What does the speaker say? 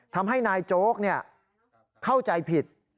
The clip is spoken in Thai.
ทำให้นายโจ๊กเข้าใจผิด